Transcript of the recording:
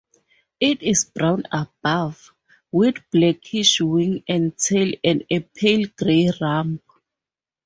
It is brown above, with blackish wings and tail and a pale grey rump.